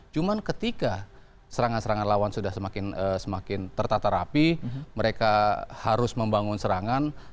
cuma ketika serangan serangan lawan sudah semakin tertata rapi mereka harus membangun serangan